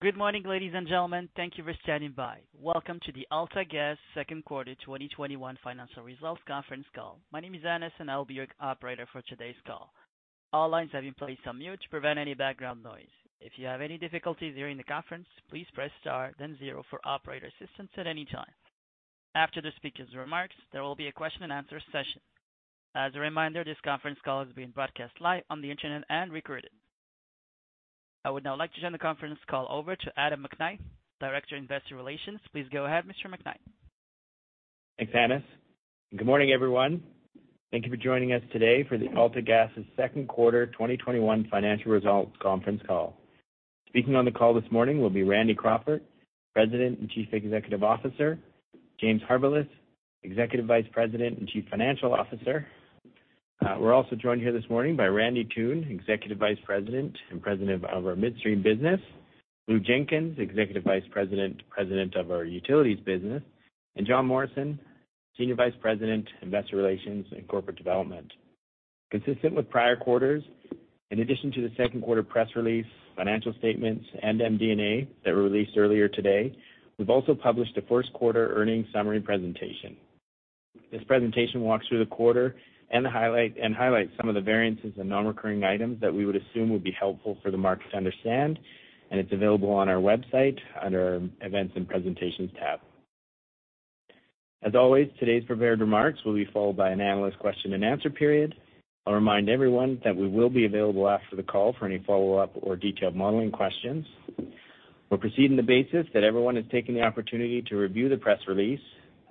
Good morning, ladies and gentlemen. Thank you for standing by. Welcome to the AltaGas Second Quarter 2021 Financial Results Conference Call. My name is Annas, and I'll be your operator for today's call. All lines have been placed on mute to prevent any background noise. If you have any difficulties hearing the conference, please press star, then zero for operator assistance at any time. After the speaker's remarks, there will be a question and answer session. As a reminder, this conference call is being broadcast live on the internet and recorded. I would now like to turn the conference call over to Adam McKnight, Director, Investor Relations. Please go ahead, Mr. McKnight. Thanks, Annas. Good morning, everyone. Thank you for joining us today for the AltaGas' Second Quarter 2021 Financial Results Conference Call. Speaking on the call this morning will be Randy Crawford, President and Chief Executive Officer, James Harbilas, Executive Vice President and Chief Financial Officer. We're also joined here this morning by Randy Toone, Executive Vice President and President of our Midstream business, Blue Jenkins, Executive Vice President of our Utilities business, and Jon Morrison, Senior Vice President, Investor Relations and Corporate Development. Consistent with prior quarters, in addition to the second quarter press release, financial statements, and MD&A that were released earlier today, we've also published a first-quarter earnings summary presentation. This presentation walks through the quarter and highlights some of the variances in non-recurring items that we would assume would be helpful for the market to understand, and it's available on our website under our Events and Presentations tab. As always, today's prepared remarks will be followed by an analyst question and answer period. I'll remind everyone that we will be available after the call for any follow-up or detailed modeling questions. We'll proceed on the basis that everyone has taken the opportunity to review the press release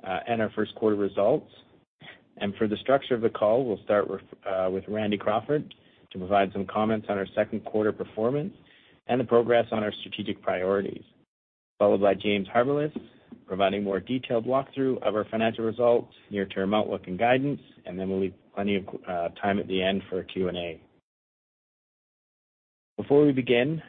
and our first-quarter results. For the structure of the call, we'll start with Randy Crawford to provide some comments on our second quarter performance and the progress on our strategic priorities, followed by James Harbilas providing a more detailed walkthrough of our financial results, near-term outlook, and guidance. Then we'll leave plenty of time at the end for Q&A. Before we begin,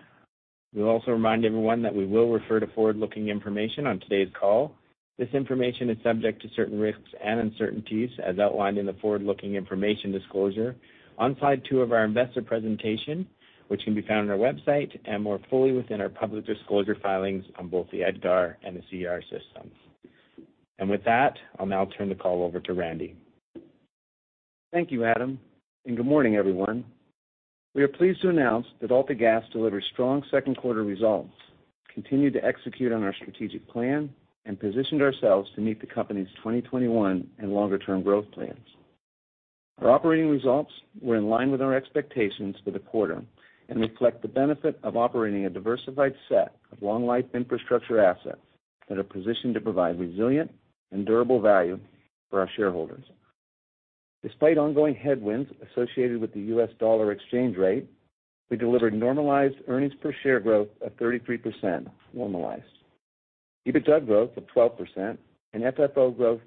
we'll also remind everyone that we will refer to forward-looking information on today's call. This information is subject to certain risks and uncertainties as outlined in the forward-looking information disclosure on slide two of our investor presentation, which can be found on our website and more fully within our public disclosure filings on both the EDGAR and the SEDAR systems. With that, I'll now turn the call over to Randy. Thank you, Adam, and good morning, everyone. We are pleased to announce that AltaGas delivered strong second-quarter results, continued to execute on our strategic plan, and positioned ourselves to meet the company's 2021 and longer-term growth plans. Our operating results were in line with our expectations for the quarter and reflect the benefit of operating a diversified set of long-life infrastructure assets that are positioned to provide resilient and durable value for our shareholders. Despite ongoing headwinds associated with the U.S. dollar exchange rate, we delivered normalized earnings per share growth of 33%, normalized EBITDA growth of 12%, and FFO growth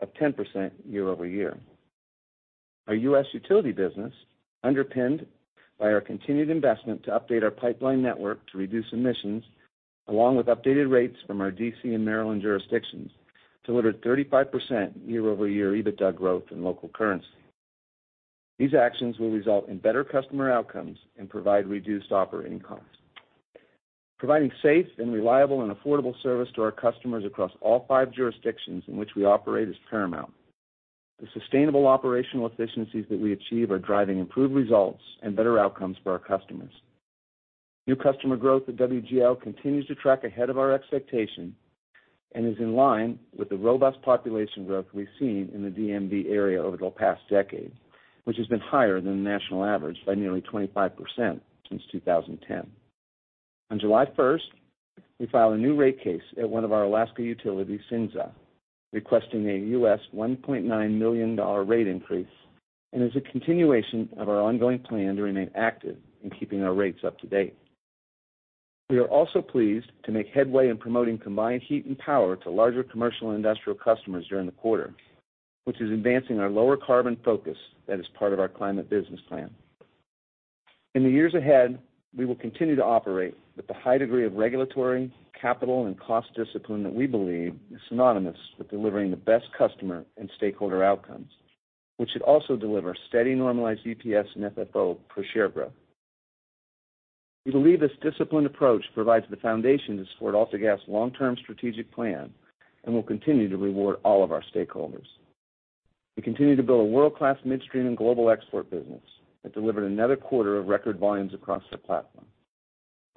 of 10% year-over-year. Our U.S. utility business, underpinned by our continued investment to update our pipeline network to reduce emissions, along with updated rates from our D.C. and Maryland jurisdictions, delivered 35% year-over-year EBITDA growth in local currency. These actions will result in better customer outcomes and provide reduced operating costs. Providing safe and reliable and affordable service to our customers across all five jurisdictions in which we operate is paramount. The sustainable operational efficiencies that we achieve are driving improved results and better outcomes for our customers. New customer growth at WGL continues to track ahead of our expectation and is in line with the robust population growth we've seen in the D.M.V. area over the past decade, which has been higher than the national average by nearly 25% since 2010. On July 1st, we filed a new rate case at one of our Alaska utilities, ENSTAR, requesting a US $1.9 million rate increase and is a continuation of our ongoing plan to remain active in keeping our rates up to date. We are also pleased to make headway in promoting combined heat and power to larger commercial and industrial customers during the quarter, which is advancing our lower carbon focus that is part of our climate business plan. In the years ahead, we will continue to operate with the high degree of regulatory, capital, and cost discipline that we believe is synonymous with delivering the best customer and stakeholder outcomes, which should also deliver steady normalized EPS and FFO per share growth. We believe this disciplined approach provides the foundation to support AltaGas' long-term strategic plan and will continue to reward all of our stakeholders. We continue to build a world-class midstream and global export business that delivered another quarter of record volumes across our platform.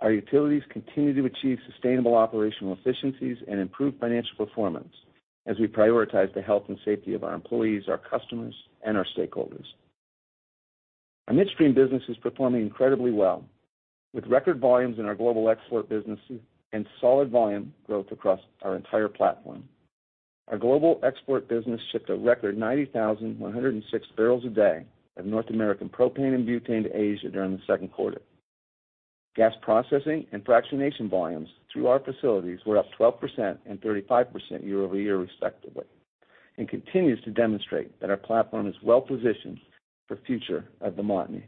Our utilities continue to achieve sustainable operational efficiencies and improved financial performance as we prioritize the health and safety of our employees, our customers, and our stakeholders. Our midstream business is performing incredibly well, with record volumes in our global export business and solid volume growth across our entire platform. Our global export business shipped a record 90,106 barrels a day of North American propane and butane to Asia during the second quarter. Gas processing and fractionation volumes through our facilities were up 12% and 35% year-over-year, respectively, and continues to demonstrate that our platform is well-positioned for the future of the Montney.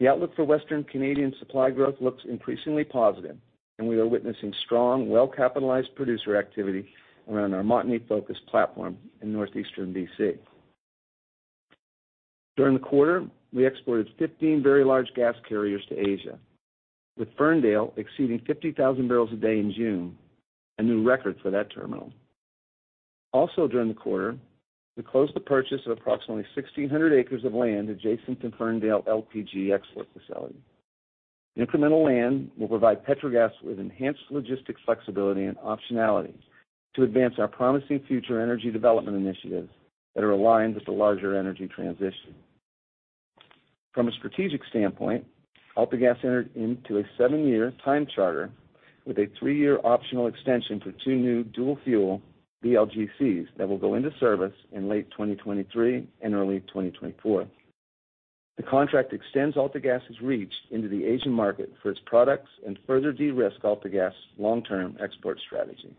The outlook for Western Canadian supply growth looks increasingly positive. We are witnessing strong, well-capitalized producer activity around our Montney-focused platform in Northeastern B.C. During the quarter, we exported 15 very large gas carriers to Asia, with Ferndale exceeding 50,000 barrels a day in June, a new record for that terminal. Also during the quarter, we closed the purchase of approximately 1,600 acres of land adjacent to Ferndale LPG export facility. The incremental land will provide Petrogas with enhanced logistics flexibility and optionality to advance our promising future energy development initiatives that are aligned with the larger energy transition. From a strategic standpoint, AltaGas entered into a seven-year time charter with a three-year optional extension for two new dual-fuel VLGCs that will go into service in late 2023 and early 2024. The contract extends AltaGas' reach into the Asian market for its products and further de-risk AltaGas' long-term export strategy.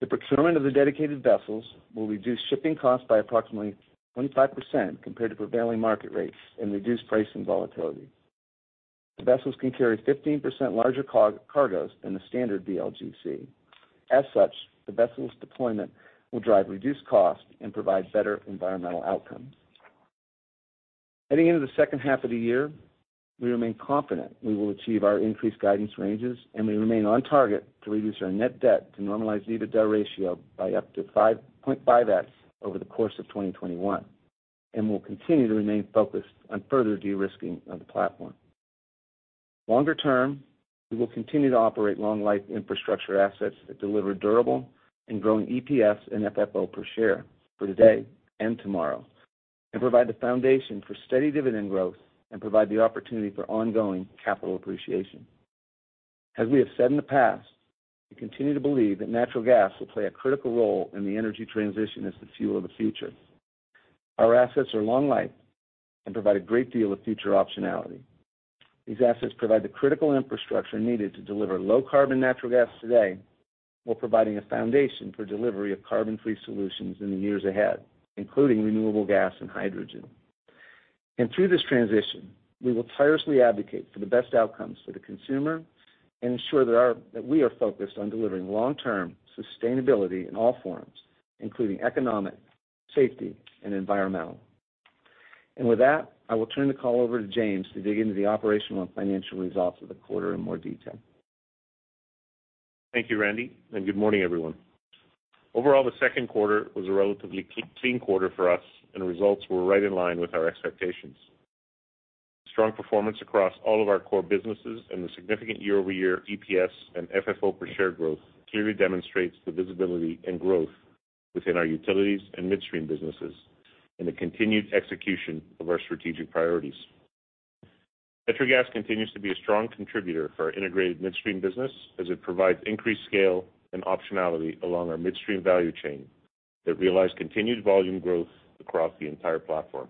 The procurement of the dedicated vessels will reduce shipping costs by approximately 25% compared to prevailing market rates and reduce pricing volatility. The vessels can carry 15% larger cargoes than the standard VLGC. As such, the vessels' deployment will drive reduced costs and provide better environmental outcomes. Heading into the second half of the year, we remain confident we will achieve our increased guidance ranges, and we remain on target to reduce our net debt to normalized EBITDA ratio by up to 5.5x over the course of 2021. We'll continue to remain focused on further de-risking of the platform. Longer term, we will continue to operate long-life infrastructure assets that deliver durable and growing EPS and FFO per share for today and tomorrow, and provide the foundation for steady dividend growth and provide the opportunity for ongoing capital appreciation. As we have said in the past, we continue to believe that natural gas will play a critical role in the energy transition as the fuel of the future. Our assets are long-life and provide a great deal of future optionality. These assets provide the critical infrastructure needed to deliver low-carbon natural gas today, while providing a foundation for delivery of carbon-free solutions in the years ahead, including renewable gas and hydrogen. Through this transition, we will tirelessly advocate for the best outcomes for the consumer and ensure that we are focused on delivering long-term sustainability in all forms, including economic, safety, and environmental. With that, I will turn the call over to James to dig into the operational and financial results of the quarter in more detail. Thank you, Randy. Good morning, everyone. Overall, the second quarter was a relatively clean quarter for us. Results were right in line with our expectations. Strong performance across all of our core businesses and the significant year-over-year EPS and FFO per share growth clearly demonstrates the visibility and growth within our utilities and midstream businesses and the continued execution of our strategic priorities. Petrogas continues to be a strong contributor for our integrated midstream business as it provides increased scale and optionality along our midstream value chain that realize continued volume growth across the entire platform.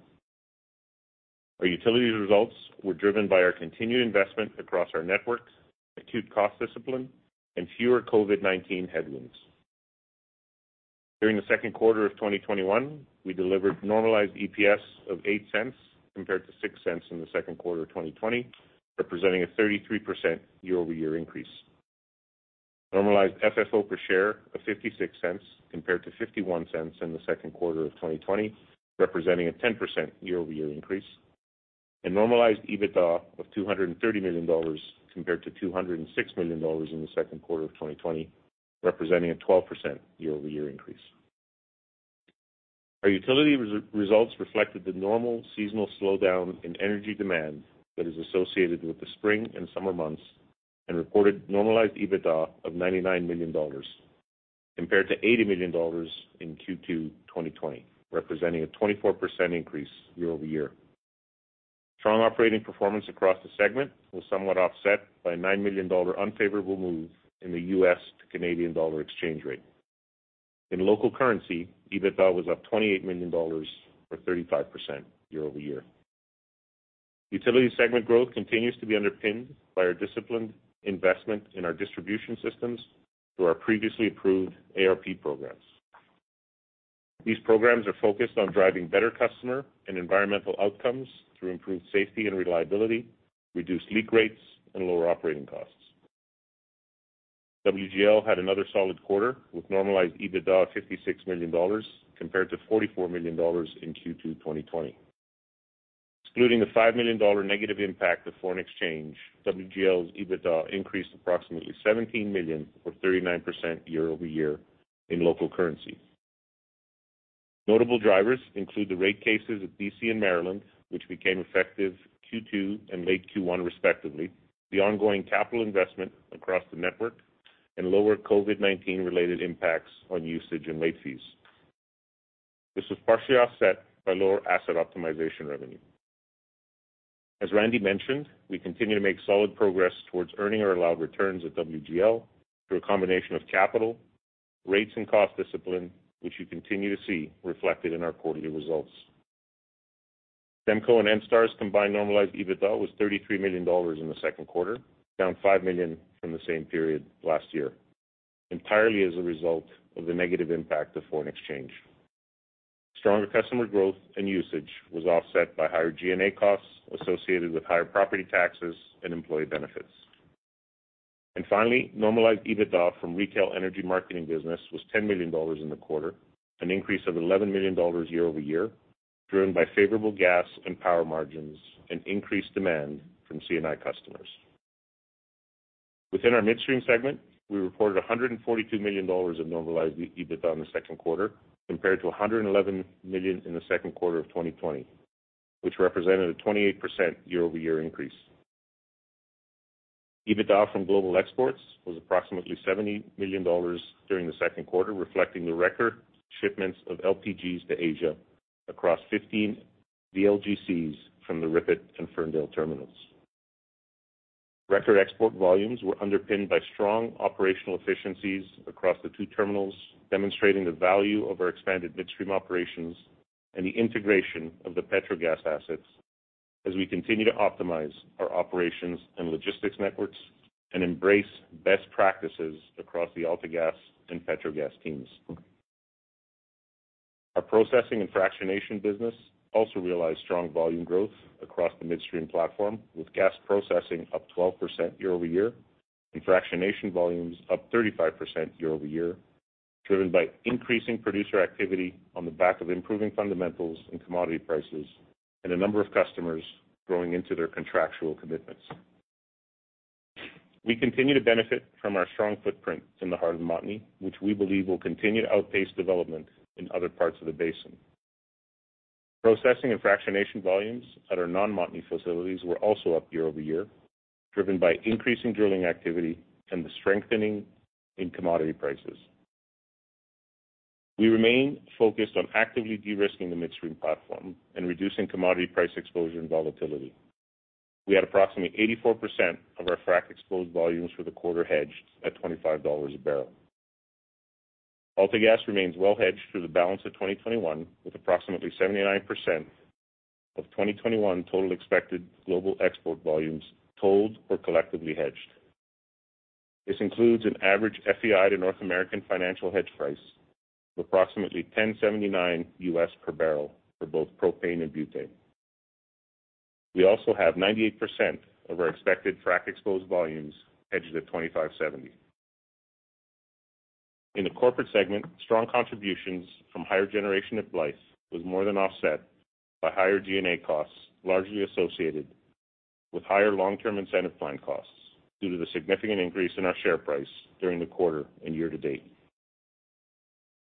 Our utilities results were driven by our continued investment across our networks, acute cost discipline, and fewer COVID-19 headwinds. During the second quarter of 2021, we delivered normalized EPS of 0.08 compared to 0.06 in the second quarter of 2020, representing a 33% year-over-year increase. Normalized FFO per share of 0.56 compared to 0.51 in the second quarter of 2020, representing a 10% year-over-year increase. Normalized EBITDA of 230 million dollars compared to 206 million dollars in the second quarter of 2020, representing a 12% year-over-year increase. Our utility results reflected the normal seasonal slowdown in energy demand that is associated with the spring and summer months and reported normalized EBITDA of 99 million dollars compared to 80 million dollars in Q2 2020, representing a 24% increase year-over-year. Strong operating performance across the segment was somewhat offset by a 9 million dollar unfavorable move in the U.S. to Canadian dollar exchange rate. In local currency, EBITDA was up 28 million dollars or 35% year-over-year. Utility segment growth continues to be underpinned by our disciplined investment in our distribution systems through our previously approved ARP programs. These programs are focused on driving better customer and environmental outcomes through improved safety and reliability, reduced leak rates, and lower operating costs. WGL had another solid quarter with normalized EBITDA of 56 million dollars compared to 44 million dollars in Q2 2020. Excluding the 5 million dollar negative impact of foreign exchange, WGL's EBITDA increased approximately 17 million or 39% year-over-year in local currency. Notable drivers include the rate cases at D.C. and Maryland, which became effective Q2 and late Q1 respectively, the ongoing capital investment across the network, and lower COVID-19-related impacts on usage and late fees. This was partially offset by lower asset optimization revenue. As Randy mentioned, we continue to make solid progress towards earning our allowed returns at WGL through a combination of capital, rates, and cost discipline, which you continue to see reflected in our quarterly results. SEMCO and ENSTAR's combined normalized EBITDA was 33 million dollars in the second quarter, down 5 million from the same period last year, entirely as a result of the negative impact of foreign exchange. Stronger customer growth and usage was offset by higher G&A costs associated with higher property taxes and employee benefits. Finally, normalized EBITDA from retail energy marketing business was 10 million dollars in the quarter, an increase of 11 million dollars year-over-year, driven by favorable gas and power margins and increased demand from C&I customers. Within our Midstream segment, we reported 142 million dollars of normalized EBITDA in the second quarter, compared to 111 million in the second quarter of 2020, which represented a 28% year-over-year increase. EBITDA from Global Exports was approximately 70 million dollars during the second quarter, reflecting the record shipments of LPGs to Asia across 15 VLGCs from the RIPET and Ferndale terminals. Record export volumes were underpinned by strong operational efficiencies across the two terminals, demonstrating the value of our expanded midstream operations and the integration of the Petrogas assets as we continue to optimize our operations and logistics networks and embrace best practices across the AltaGas and Petrogas teams. Our processing and fractionation business also realized strong volume growth across the midstream platform, with gas processing up 12% year-over-year and fractionation volumes up 35% year-over-year, driven by increasing producer activity on the back of improving fundamentals in commodity prices and a number of customers growing into their contractual commitments. We continue to benefit from our strong footprint in the heart of the Montney, which we believe will continue to outpace development in other parts of the basin. Processing and fractionation volumes at our non-Montney facilities were also up year-over-year, driven by increasing drilling activity and the strengthening in commodity prices. We remain focused on actively de-risking the midstream platform and reducing commodity price exposure and volatility. We had approximately 84% of our frac exposed volumes for the quarter hedged at 25 dollars a barrel. AltaGas remains well hedged through the balance of 2021, with approximately 79% of 2021 total expected global export volumes tolled or collectively hedged. This includes an average FEI to North American financial hedge price of approximately $10.79 per barrel for both propane and butane. We also have 98% of our expected frac exposed volumes hedged at 25.70. In the corporate segment, strong contributions from higher generation at Blythe was more than offset by higher G&A costs, largely associated with higher long-term incentive plan costs due to the significant increase in our share price during the quarter and year to date.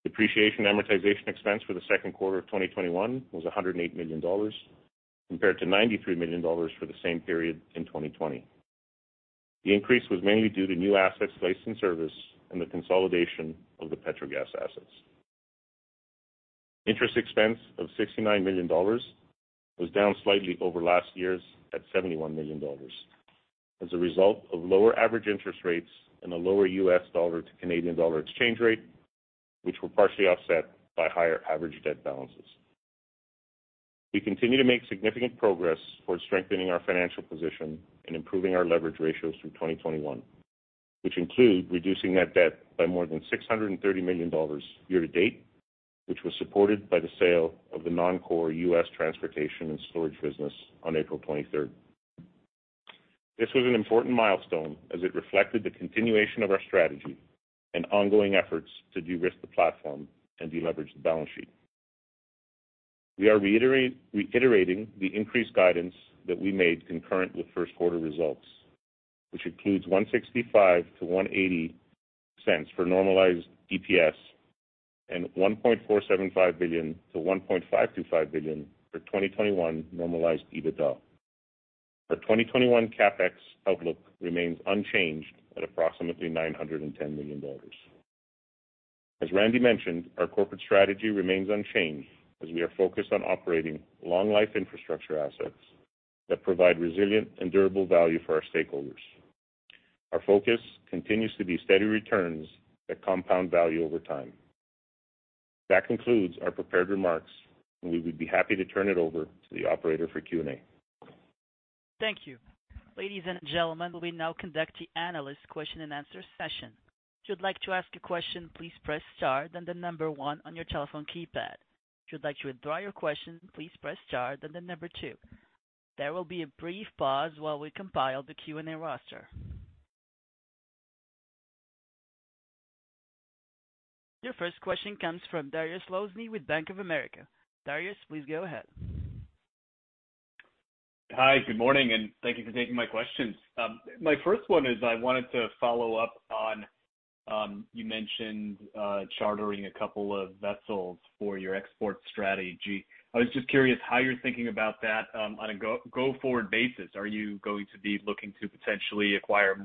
Depreciation amortization expense for the 2nd quarter of 2021 was 108 million dollars, compared to 93 million dollars for the same period in 2020. The increase was mainly due to new assets placed in service and the consolidation of the Petrogas assets. Interest expense of 69 million dollars was down slightly over last year's at 71 million dollars as a result of lower average interest rates and a lower US dollar to Canadian dollar exchange rate, which were partially offset by higher average debt balances. We continue to make significant progress towards strengthening our financial position and improving our leverage ratios through 2021, which include reducing net debt by more than 630 million dollars year to date, which was supported by the sale of the non-core U.S. transportation and storage business on April 23rd. This was an important milestone as it reflected the continuation of our strategy and ongoing efforts to de-risk the platform and de-leverage the balance sheet. We are reiterating the increased guidance that we made concurrent with first quarter results, which includes 0.0165-0.0180 for normalized EPS and 1.475 billion-1.525 billion for 2021 normalized EBITDA. Our 2021 CapEx outlook remains unchanged at approximately 910 million dollars. As Randy mentioned, our corporate strategy remains unchanged as we are focused on operating long life infrastructure assets that provide resilient and durable value for our stakeholders. Our focus continues to be steady returns that compound value over time. That concludes our prepared remarks, and we would be happy to turn it over to the operator for Q&A. Thank you. Ladies and gentlemen, we'll now conduct the analyst question and answer session. If you'd like to ask a question, please press star one on your telephone keypad. If you'd like to withdraw your question, please press star two. There will be a brief pause while we compile the Q&A roster. Your first question comes from Dariusz Lozny with Bank of America. Dariusz, please go ahead. Hi, good morning, and thank you for taking my questions. My first one is I wanted to follow up on, you mentioned chartering a couple of vessels for your export strategy. I was just curious how you're thinking about that on a go-forward basis. Are you going to be looking to potentially acquire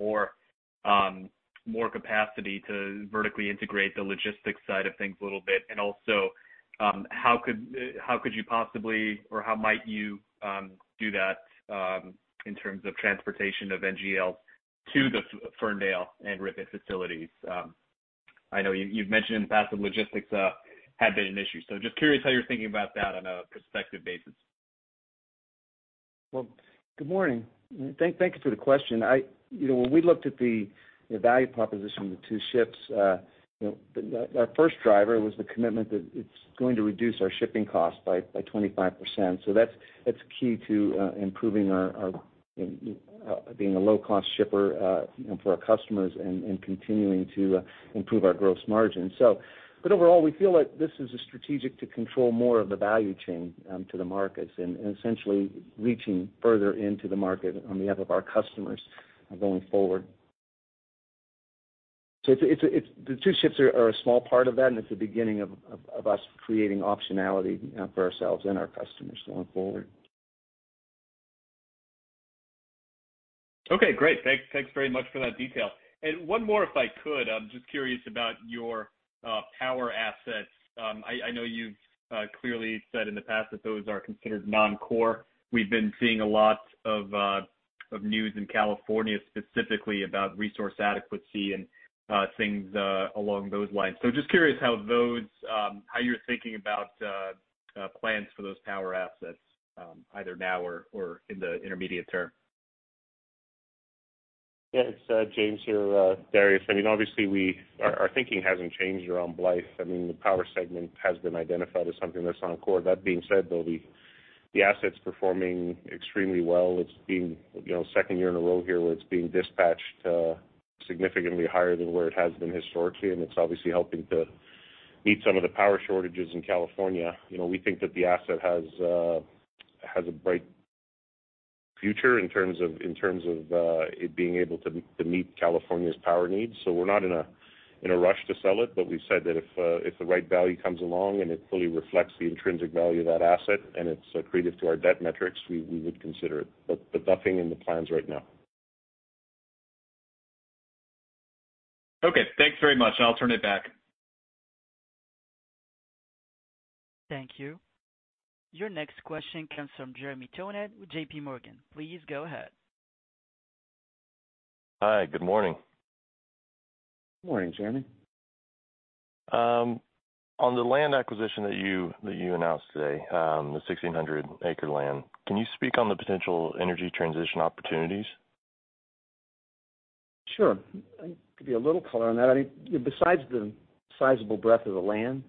more capacity to vertically integrate the logistics side of things a little bit? Also, how could you possibly or how might you do that in terms of transportation of NGLs to the Ferndale and RIPET facilities? I know you've mentioned in the past that logistics have been an issue. Just curious how you're thinking about that on a prospective basis. Well, good morning. Thank you for the question. When we looked at the value proposition of the two ships, our first driver was the commitment that it's going to reduce our shipping costs by 25%. That's key to improving our being a low-cost shipper for our customers and continuing to improve our gross margin. Overall, we feel like this is a strategic to control more of the value chain to the markets and essentially reaching further into the market on behalf of our customers going forward. The two ships are a small part of that, and it's the beginning of us creating optionality for ourselves and our customers going forward. Okay, great. Thanks very much for that detail. One more, if I could. I'm just curious about your power assets. I know you've clearly said in the past that those are considered non-core. We've been seeing a lot of news in California, specifically about resource adequacy and things along those lines. Just curious how you're thinking about plans for those power assets either now or in the intermediate term? Yeah. It's James here, Dariusz. Obviously, our thinking hasn't changed around Blythe. The power segment has been identified as something that's non-core. That being said, though, the asset's performing extremely well. It's been the second year in a row here where it's being dispatched significantly higher than where it has been historically, and it's obviously helping to meet some of the power shortages in California. We think that the asset has a bright future in terms of it being able to meet California's power needs. We're not in a rush to sell it. We've said that if the right value comes along and it fully reflects the intrinsic value of that asset and it's accretive to our debt metrics, we would consider it. Nothing in the plans right now. Okay, thanks very much. I'll turn it back. Thank you. Your next question comes from Jeremy Tonet with JPMorgan. Please go ahead. Hi. Good morning. Good morning, Jeremy. On the land acquisition that you announced today, the 1,600 acre land, can you speak on the potential energy transition opportunities? Sure. I can give you a little color on that. Besides the sizable breadth of the land,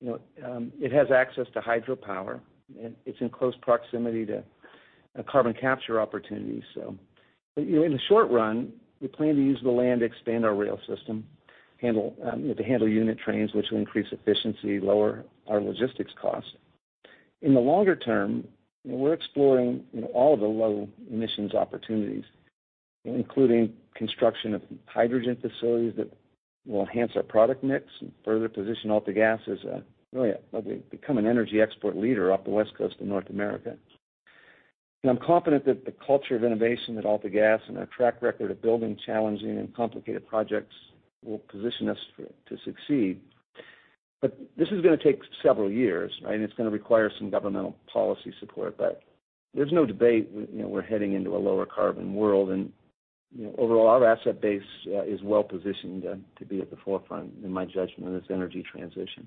it has access to hydropower, and it's in close proximity to carbon capture opportunities. In the short run, we plan to use the land to expand our rail system to handle unit trains, which will increase efficiency, lower our logistics costs. In the longer term, we're exploring all of the low emissions opportunities, including construction of hydrogen facilities that will enhance our product mix and further position AltaGas as really become an energy export leader off the West Coast of North America. I'm confident that the culture of innovation at AltaGas and our track record of building challenging and complicated projects will position us to succeed. This is going to take several years, right? It's going to require some governmental policy support, but there's no debate we're heading into a lower carbon world. Overall, our asset base is well-positioned to be at the forefront, in my judgment, of this energy transition.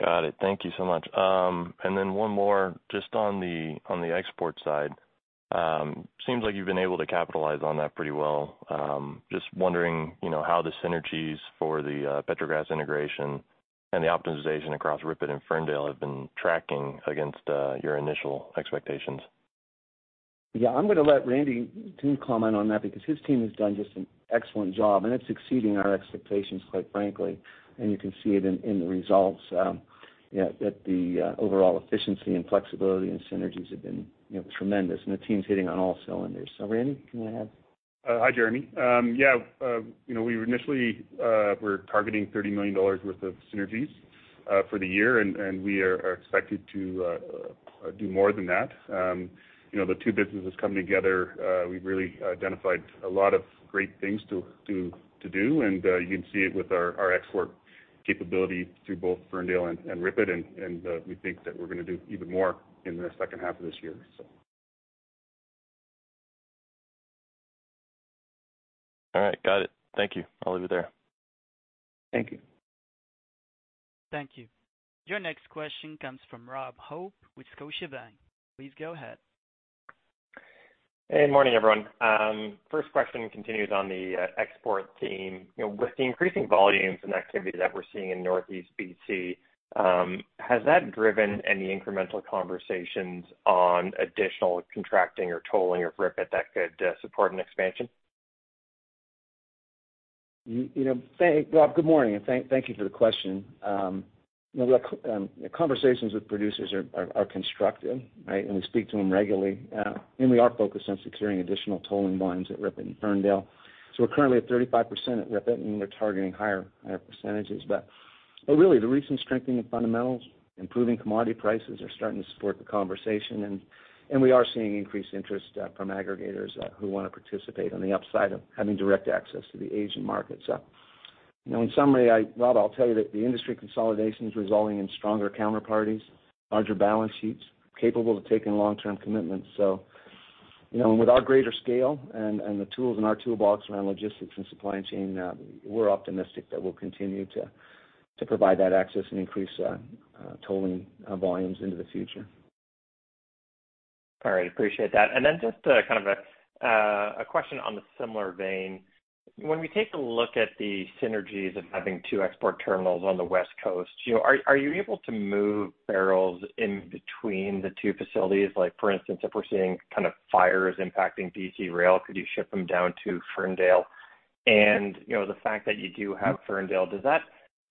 Got it. Thank you so much. One more just on the export side. Seems like you've been able to capitalize on that pretty well. Just wondering how the synergies for the Petrogas integration and the optimization across REEF and Ferndale have been tracking against your initial expectations. I'm going to let Randy Toone comment on that because his team has done just an excellent job, and it's exceeding our expectations, quite frankly. You can see it in the results that the overall efficiency and flexibility and synergies have been tremendous, and the team's hitting on all cylinders. Randy, come ahead. Hi, Jeremy. Yeah, we initially were targeting 30 million dollars worth of synergies for the year. We are expected to do more than that. The two businesses come together, we've really identified a lot of great things to do. You can see it with our export capability through both Ferndale and REEF. We think that we're going to do even more in the second half of this year. All right, got it. Thank you. I'll leave it there. Thank you. Thank you. Your next question comes from Rob Hope with Scotiabank. Please go ahead. Good morning, everyone. First question continues on the export theme. With the increasing volumes and activity that we're seeing in Northeast B.C., has that driven any incremental conversations on additional contracting or tolling of REEF that could support an expansion? Rob, good morning, and thank you for the question. Look, conversations with producers are constructive, right? We speak to them regularly. We are focused on securing additional tolling volumes at REEF and Ferndale. We're currently at 35% at REEF, and we're targeting higher percentages. Really, the recent strengthening of fundamentals, improving commodity prices are starting to support the conversation, and we are seeing increased interest from aggregators who want to participate on the upside of having direct access to the Asian market. In summary, Rob, I'll tell you that the industry consolidation is resulting in stronger counterparties, larger balance sheets capable of taking long-term commitments. With our greater scale and the tools in our toolbox around logistics and supply chain, we're optimistic that we'll continue to provide that access and increase tolling volumes into the future. All right. Appreciate that. Just a question on the similar vein. When we take a look at the synergies of having two export terminals on the West Coast, are you able to move barrels in between the two facilities? Like for instance, if we're seeing fires impacting BC Rail, could you ship them down to Ferndale? The fact that you do have Ferndale, does that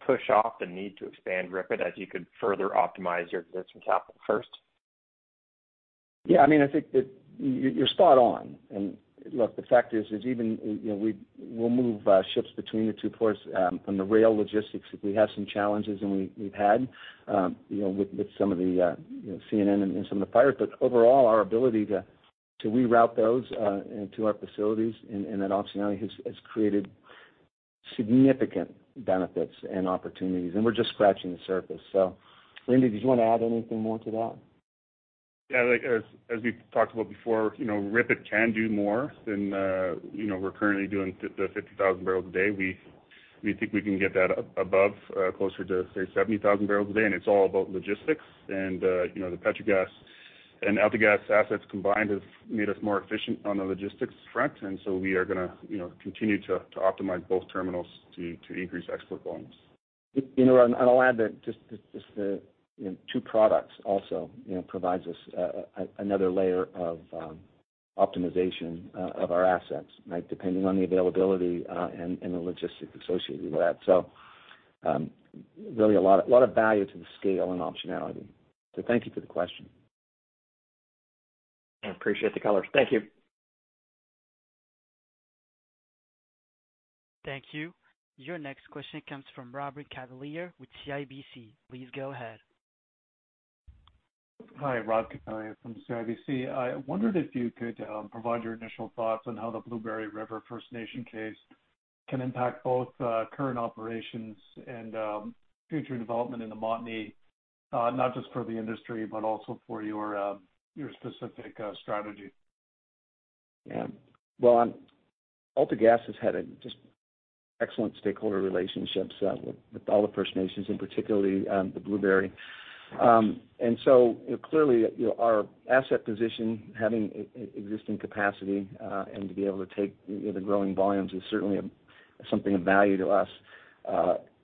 push off the need to expand REEF as you could further optimize your existing capital first? Yeah, I think that you're spot on. Look, the fact is, even we'll move ships between the two ports on the rail logistics if we have some challenges and we've had with some of the CN and some of the fires. Overall, our ability to reroute those into our facilities and that optionality has created significant benefits and opportunities, and we're just scratching the surface. Randy, did you want to add anything more to that? Yeah. As we've talked about before, REEF can do more than we're currently doing the 50,000 barrels a day. We think we can get that above, closer to, say, 70,000 barrels a day. It's all about logistics. The Petrogas and AltaGas assets combined have made us more efficient on the logistics front. We are going to continue to optimize both terminals to increase export volumes. I'll add that just the two products also provides us another layer of optimization of our assets, right. Depending on the availability and the logistics associated with that. Really a lot of value to the scale and optionality. Thank you for the question. Appreciate the color. Thank you. Thank you. Your next question comes from Robert Catellier with CIBC. Please go ahead. Hi, Robert Catellier from CIBC. I wondered if you could provide your initial thoughts on how the Blueberry River First Nations case can impact both current operations and future development in the Montney, not just for the industry, but also for your specific strategy. Well, AltaGas has had a just excellent stakeholder relationships with all the First Nations, and particularly the Blueberry. Clearly, our asset position, having existing capacity, and to be able to take the growing volumes is certainly something of value to us.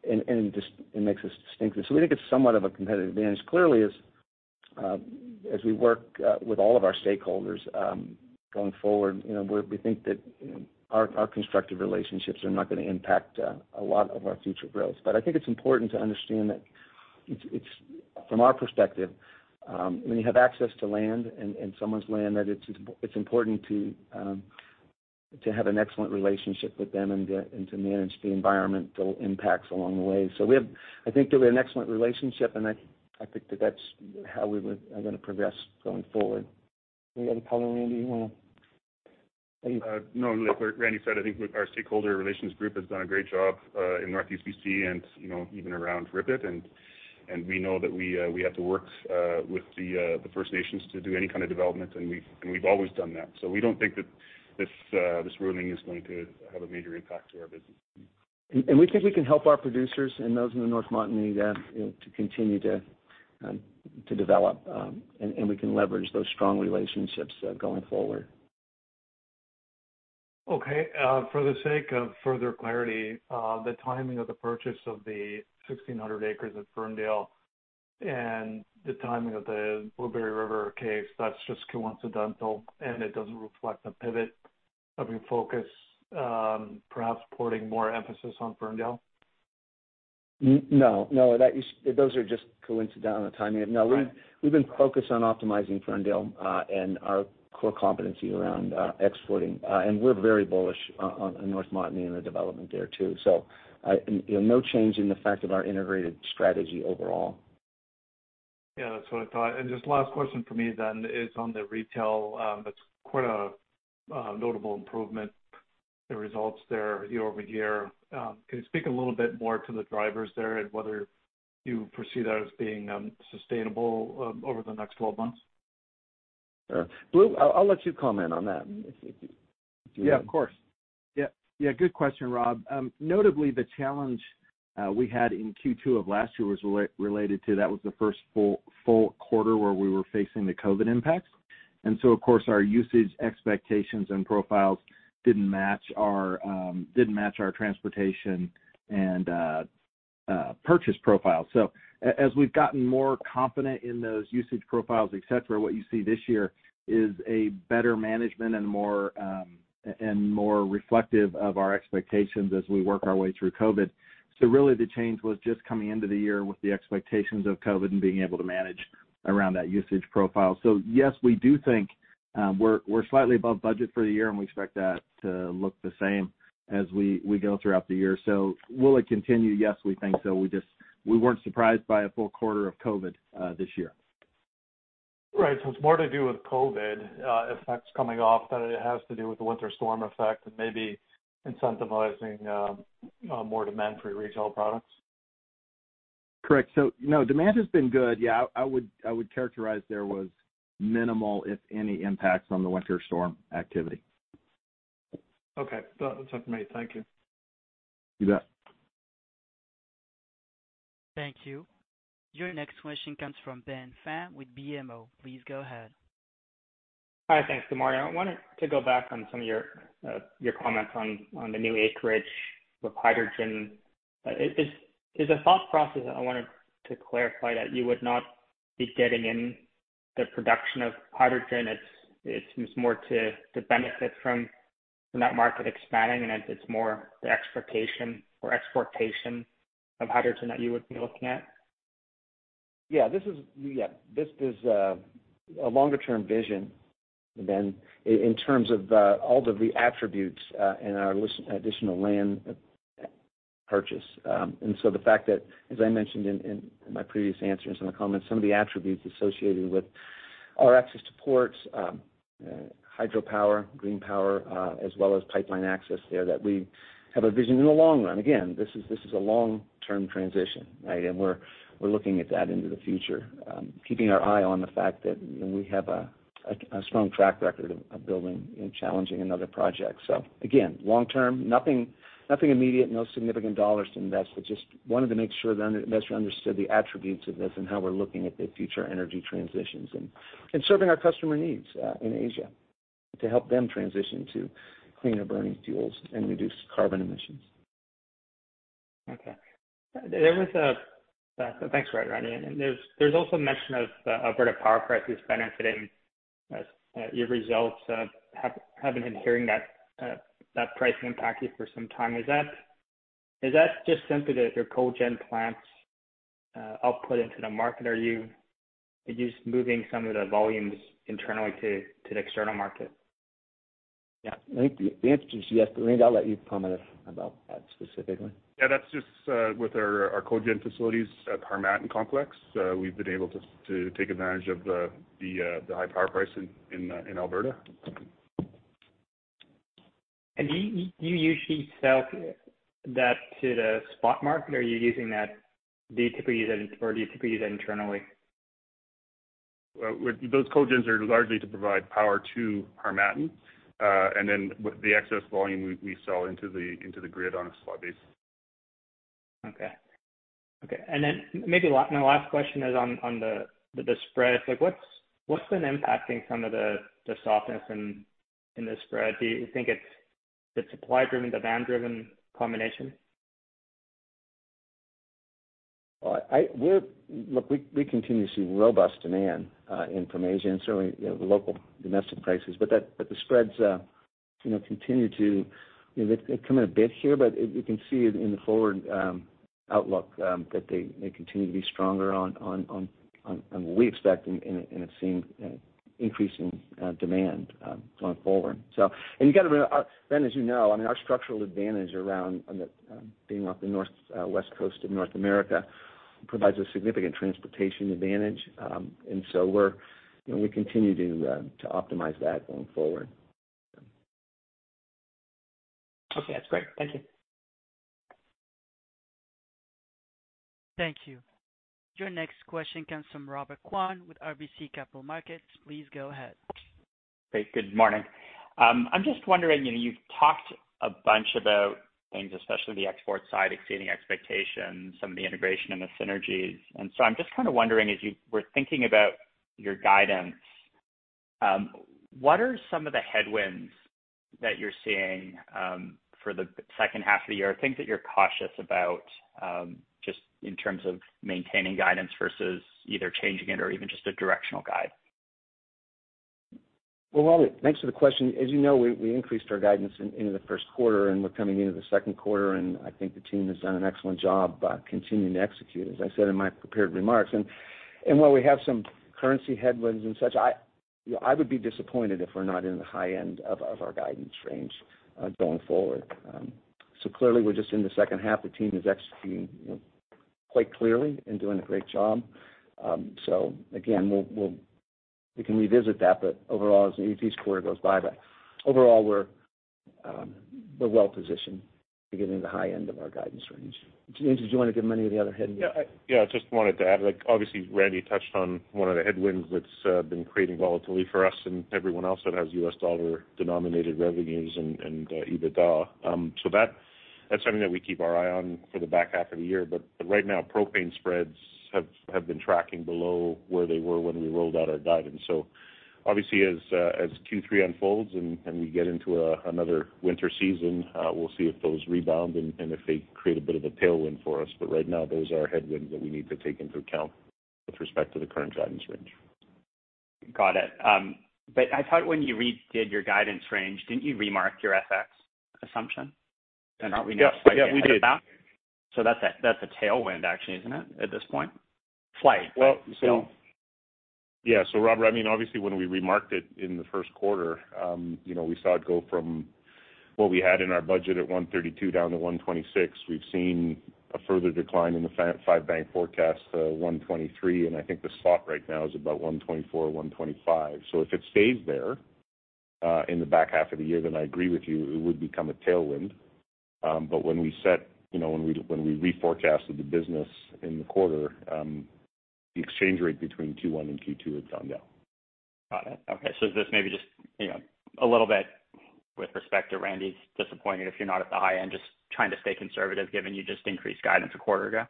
It makes us distinctive. We think it's somewhat of a competitive advantage. Clearly, as we work with all of our stakeholders, going forward, we think that our constructive relationships are not going to impact a lot of our future growth. I think it's important to understand that from our perspective, when you have access to land and someone's land, that it's important to have an excellent relationship with them and to manage the environmental impacts along the way. We have, I think, that we have an excellent relationship, and I think that that's how we are going to progress going forward. Any other color, Randy, you want to add? No. Like Randy said, I think our stakeholder relations group has done a great job in Northeast B.C. and even around REEF. We know that we have to work with the First Nations to do any kind of development, and we've always done that. We don't think that this ruling is going to have a major impact to our business. We think we can help our producers and those in the North Montney to continue to develop, and we can leverage those strong relationships going forward. For the sake of further clarity, the timing of the purchase of the 1,600 acres at Ferndale and the timing of the Blueberry River case, that's just coincidental, and it doesn't reflect a pivot of your focus, perhaps putting more emphasis on Ferndale? No, those are just coincident on the timing. No. Right. We've been focused on optimizing Ferndale, and our core competency around exporting. We're very bullish on North Montney and the development there, too. No change in the fact of our integrated strategy overall. Yeah, that's what I thought. Just last question for me is on the retail. That's quite a notable improvement, the results there year-over-year. Can you speak a little bit more to the drivers there and whether you perceive that as being sustainable over the next 12 months? Blue, I'll let you comment on that. Yeah, of course. Yeah. Good question, Rob. Notably, the challenge we had in Q2 of last year was related to that was the first full quarter where we were facing the COVID impacts. Of course, our usage expectations and profiles didn't match our transportation and purchase profile. As we've gotten more confident in those usage profiles, et cetera, what you see this year is a better management and more reflective of our expectations as we work our way through COVID. Really the change was just coming into the year with the expectations of COVID and being able to manage around that usage profile. Yes, we do think we're slightly above budget for the year, and we expect that to look the same as we go throughout the year. Will it continue? Yes, we think so. We weren't surprised by a full quarter of COVID this year. Right. It's more to do with COVID effects coming off than it has to do with the winter storm effect and maybe incentivizing more demand for your retail products? Correct. No, demand has been good. I would characterize there was minimal, if any, impacts on the winter storm activity. Okay. That's it for me. Thank you. You bet. Thank you. Your next question comes from Ben Pham with BMO. Please go ahead. Hi. Thanks. Good morning. I wanted to go back on some of your comments on the new acreage with hydrogen. Is the thought process, I wanted to clarify, that you would not be getting in the production of hydrogen? It seems more to benefit from that market expanding, and it's more the exportation of hydrogen that you would be looking at? Yeah. This is a longer-term vision, Ben, in terms of all of the attributes in our additional land purchase. The fact that, as I mentioned in my previous answers in the comments, some of the attributes associated with our access to ports, hydropower, green power, as well as pipeline access there that we have a vision in the long run. This is a long-term transition, right? We're looking at that into the future, keeping our eye on the fact that we have a strong track record of building and challenging another project. Again, long term, nothing immediate, no significant CAD to invest. I just wanted to make sure the investor understood the attributes of this and how we're looking at the future energy transitions and serving our customer needs in Asia to help them transition to cleaner burning fuels and reduce carbon emissions. Okay. Thanks, Randy. There's also mention of Alberta power prices benefiting your results, having been hearing that pricing impact you for some time. Is that just simply that your cogen plants output into the market? Are you just moving some of the volumes internally to the external market? Yeah. I think the answer is yes. Randy, I'll let you comment about that specifically. That's just with our cogen facilities at Harmattan complex. We've been able to take advantage of the high power price in Alberta. Do you usually sell that to the spot market or do you typically use that internally? Those cogens are largely to provide power to Harmattan. Then with the excess volume, we sell into the grid on a spot basis. Okay. Maybe my last question is on the spread. What's been impacting some of the softness in the spread? Do you think it's the supply-driven, demand-driven combination? Look, we continue to see robust demand in information, certainly the local domestic prices. The spreads continue to come in a bit here. You can see in the forward outlook that they continue to be stronger on what we expect and have seen increasing demand going forward. Ben, as you know, our structural advantage around being off the west coast of North America provides a significant transportation advantage. We continue to optimize that going forward. Okay. That's great. Thank you. Thank you. Your next question comes from Robert Kwan with RBC Capital Markets. Please go ahead. Hey, good morning. I'm just wondering, you've talked a bunch about things, especially the export side exceeding expectations, some of the integration and the synergies. I'm just kind of wondering, as you were thinking about your guidance, what are some of the headwinds that you're seeing for the second half of the year? Things that you're cautious about, just in terms of maintaining guidance versus either changing it or even just a directional guide. Well, Robert, thanks for the question. As you know, we increased our guidance into the first quarter and we're coming into the second quarter. I think the team has done an excellent job continuing to execute, as I said in my prepared remarks. While we have some currency headwinds and such, I would be disappointed if we're not in the high end of our guidance range going forward. Clearly we're just in the second half. The team is executing quite clearly and doing a great job. Again, we can revisit that, as each quarter goes by. Overall, we're well-positioned to get into the high end of our guidance range. James, did you want to give them any of the other headwinds? I just wanted to add, obviously Randy touched on one of the headwinds that's been creating volatility for us and everyone else that has U.S. dollar denominated revenues and EBITDA. That's something that we keep our eye on for the back half of the year. Right now, propane spreads have been tracking below where they were when we rolled out our guidance. Obviously, as Q3 unfolds and we get into another winter season, we'll see if those rebound and if they create a bit of a tailwind for us. Right now, those are headwinds that we need to take into account with respect to the current guidance range. Got it. I thought when you redid your guidance range, didn't you remark your FX assumption? Aren't we now slightly ahead of that? Yeah, we did. That's a tailwind actually, isn't it, at this point? Slight, but still. Yeah. Robert, obviously when we remarked it in the first quarter, we saw it go from what we had in our budget at 132 down to 126. We've seen a further decline in the five-bank forecast to 123, and I think the spot right now is about 124, 125. If it stays there in the back half of the year, I agree with you, it would become a tailwind. When we reforecasted the business in the quarter, the exchange rate between Q1 and Q2 had gone down. Got it. Okay. Is this maybe just, a little bit with respect to Randy's disappointment, if you're not at the high end, just trying to stay conservative given you just increased guidance a quarter ago?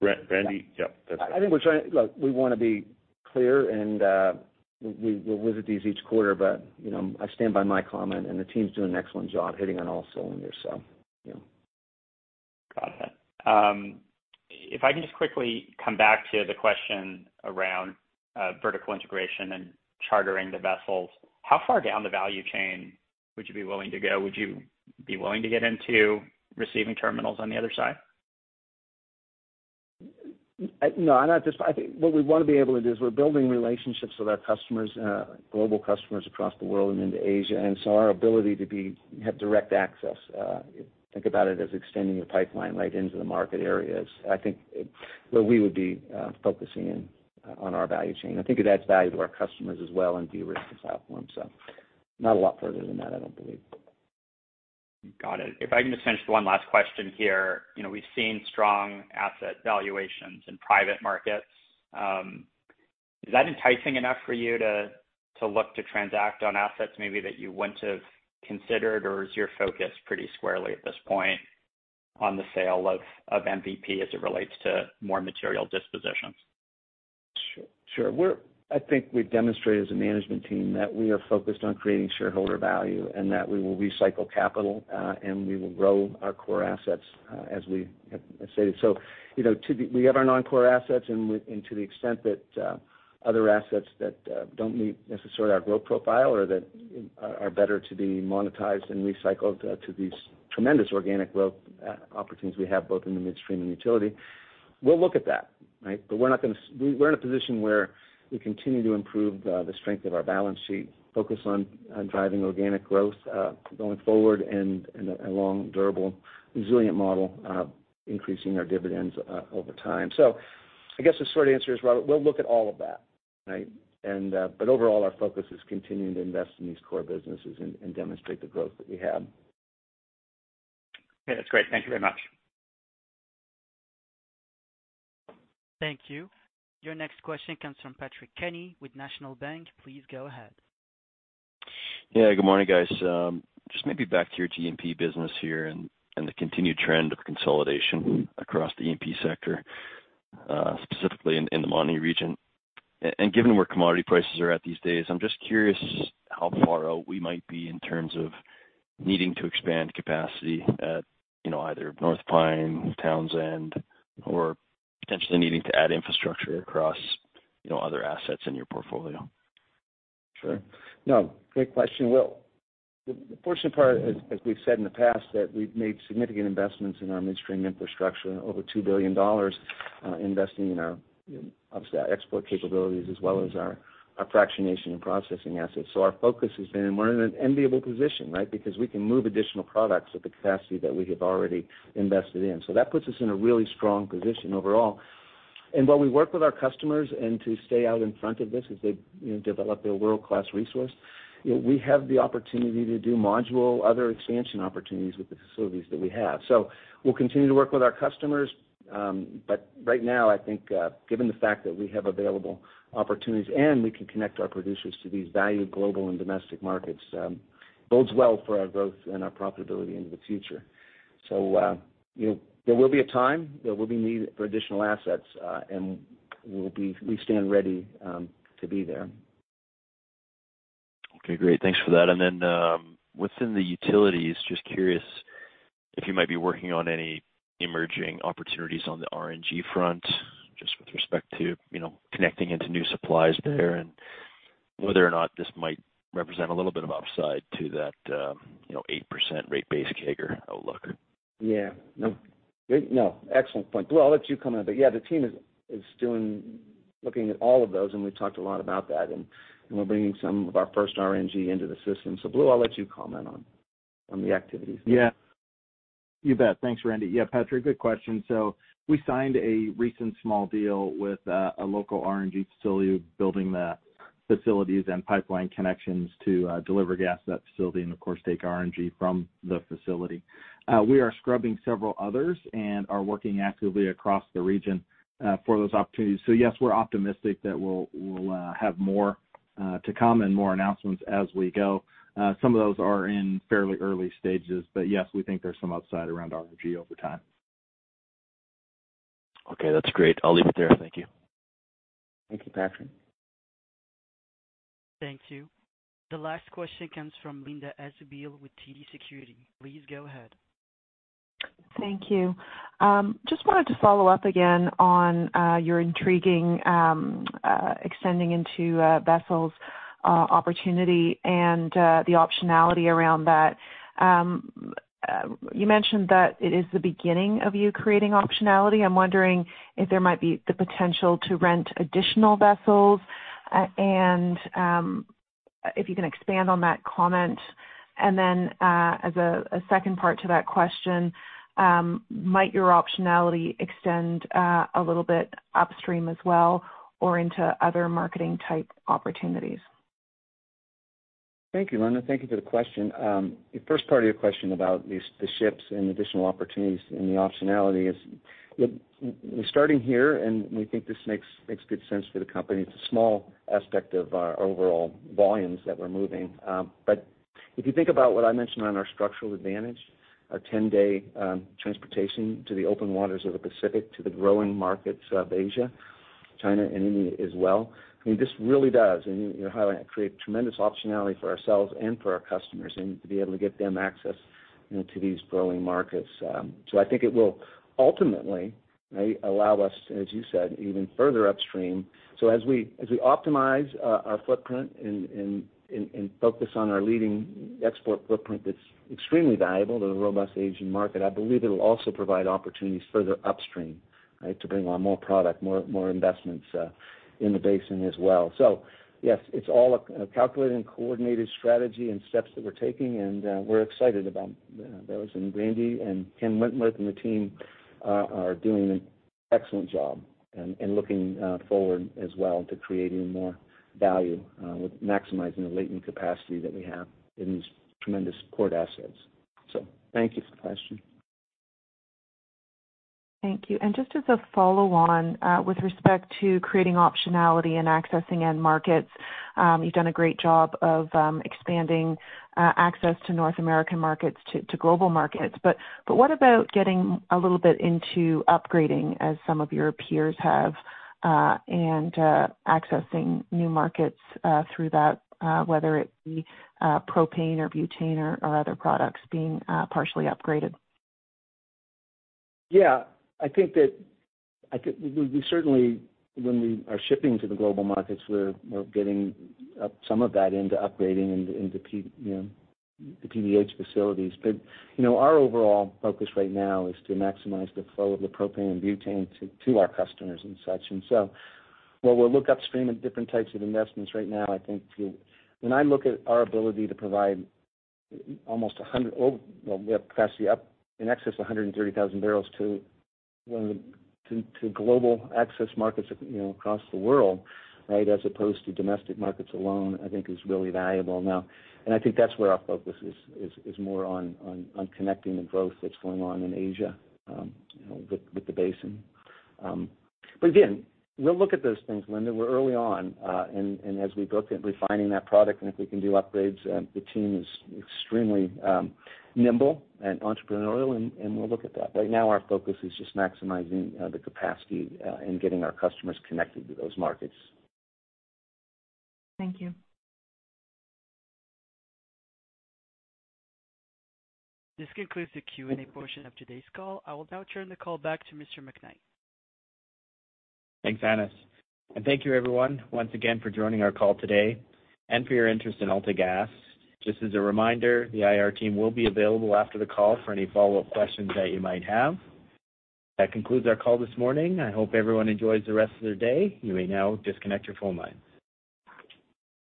Randy? Yep. I think look, we want to be clear, and we'll visit these each quarter, but, I stand by my comment, and the team's doing an excellent job hitting on all cylinders. yeah. Got it. If I can just quickly come back to the question around vertical integration and chartering the vessels, how far down the value chain would you be willing to go? Would you be willing to get into receiving terminals on the other side? What we want to be able to do is we're building relationships with our global customers across the world and into Asia, our ability to have direct access, if you think about it as extending a pipeline right into the market areas, I think where we would be focusing in on our value chain. I think it adds value to our customers as well and de-risks the platform. Not a lot further than that, I don't believe. Got it. If I can just finish one last question here. We've seen strong asset valuations in private markets. Is that enticing enough for you to look to transact on assets maybe that you wouldn't have considered? Or is your focus pretty squarely at this point on the sale of MVP as it relates to more material dispositions? Sure. I think we've demonstrated as a management team that we are focused on creating shareholder value and that we will recycle capital, and we will grow our core assets, as we have stated. We have our non-core assets, and to the extent that other assets that don't meet necessarily our growth profile or that are better to be monetized and recycled to these tremendous organic growth opportunities we have both in the midstream and utility, we'll look at that. We're in a position where we continue to improve the strength of our balance sheet, focus on driving organic growth, going forward and along durable, resilient model, increasing our dividends over time. I guess the short answer is, Robert, we'll look at all of that. Overall, our focus is continuing to invest in these core businesses and demonstrate the growth that we have. Okay. That's great. Thank you very much. Thank you. Your next question comes from Patrick Kenny with National Bank. Please go ahead. Yeah, good morning, guys. Just maybe back to your G&P business here and the continued trend of consolidation across the E&P sector, specifically in the Montney region. Given where commodity prices are at these days, I'm just curious how far out we might be in terms of needing to expand capacity at either North Pine, Townsend, or potentially needing to add infrastructure across other assets in your portfolio? Sure. Great question. Well, the fortunate part is, as we've said in the past, that we've made significant investments in our midstream infrastructure, over 2 billion dollars investing in our export capabilities as well as our fractionation and processing assets. Our focus has been, and we're in an enviable position, because we can move additional products with the capacity that we have already invested in. That puts us in a really strong position overall. While we work with our customers and to stay out in front of this as they develop their world-class resource, we have the opportunity to do module, other expansion opportunities with the facilities that we have. We'll continue to work with our customers, but right now, I think, given the fact that we have available opportunities and we can connect our producers to these valued global and domestic markets, bodes well for our growth and our profitability into the future. There will be a time, there will be need for additional assets, and we stand ready to be there. Okay, great. Thanks for that. Then within the utilities, just curious if you might be working on any emerging opportunities on the RNG front, just with respect to connecting into new supplies there and whether or not this might represent a little bit of upside to that 8% rate base CAGR outlook. Yeah. No. Excellent point. Blue, I'll let you comment, yeah, the team is still looking at all of those, and we've talked a lot about that, and we're bringing some of our first RNG into the system. Blue, I'll let you comment on the activities. Yeah. You bet. Thanks, Randy. Yeah, Patrick, good question. We signed a recent small deal with a local RNG facility, building the facilities and pipeline connections to deliver gas to that facility and of course, take RNG from the facility. We are scrubbing several others and are working actively across the region for those opportunities. Yes, we're optimistic that we'll have more to come and more announcements as we go. Some of those are in fairly early stages, but yes, we think there's some upside around RNG over time. Okay, that's great. I'll leave it there. Thank you. Thank you, Patrick. Thank you. The last question comes from Linda Ezergailis with TD Securities. Please go ahead. Thank you. Just wanted to follow up again on your intriguing extending into vessels opportunity and the optionality around that. You mentioned that it is the beginning of you creating optionality. I'm wondering if there might be the potential to rent additional vessels and if you can expand on that comment. Then as a second part to that question, might your optionality extend a little bit upstream as well, or into other marketing type opportunities? Thank you, Linda. Thank you for the question. The first part of your question about the ships and additional opportunities and the optionality is, look, we're starting here, and we think this makes good sense for the company. It's a small aspect of our overall volumes that we're moving. If you think about what I mentioned on our structural advantage, our 10-day transportation to the open waters of the Pacific, to the growing markets of Asia, China, and India as well, this really does create tremendous optionality for ourselves and for our customers and to be able to get them access into these growing markets. I think it will ultimately allow us, as you said, even further upstream. As we optimize our footprint and focus on our leading export footprint that's extremely valuable to the robust Asian market, I believe it'll also provide opportunities further upstream to bring on more product, more investments in the basin as well. Yes, it's all a calculated and coordinated strategy and steps that we're taking, and we're excited about those. Randy and Ken Wentworth and the team are doing an excellent job and looking forward as well to creating more value with maximizing the latent capacity that we have in these tremendous port assets. Thank you for the question. Thank you. Just as a follow-on with respect to creating optionality and accessing end markets, you've done a great job of expanding access to North American markets to global markets. What about getting a little bit into upgrading as some of your peers have and accessing new markets through that, whether it be propane or butane or other products being partially upgraded? Yeah. We certainly, when we are shipping to the global markets, we're getting some of that into upgrading into the PDH facilities. Our overall focus right now is to maximize the flow of the propane and butane to our customers and such. While we'll look upstream at different types of investments right now, I think when I look at our ability to provide, well, we have capacity up in excess of 130,000 barrels to global access markets across the world, as opposed to domestic markets alone, I think is really valuable now. I think that's where our focus is more on connecting the growth that's going on in Asia with the basin. Again, we'll look at those things, Linda. We're early on, and as we look at refining that product and if we can do upgrades, the team is extremely nimble and entrepreneurial, and we'll look at that. Right now our focus is just maximizing the capacity and getting our customers connected to those markets. Thank you. This concludes the Q&A portion of today's call. I will now turn the call back to Mr. McKnight. Thanks, Annas. Thank you everyone, once again for joining our call today and for your interest in AltaGas. Just as a reminder, the IR team will be available after the call for any follow-up questions that you might have. That concludes our call this morning. I hope everyone enjoys the rest of their day. You may now disconnect your phone lines.